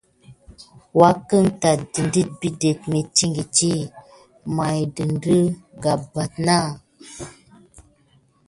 Wuake táte ɗe biɗé mintikiti mà kilva net dik na.